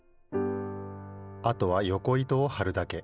あとはよこ糸をはるだけ。